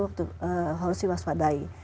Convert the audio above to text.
itu harus diwaspadai